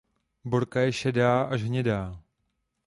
Borka je šedá až hnědá.